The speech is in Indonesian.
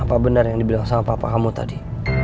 apa benar yang dibilang sama papa kamu tadi